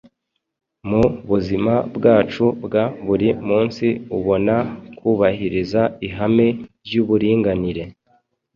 Mu buzima bwacu bwa buri munsi ubona kubahiriza ihame ry’uburinganire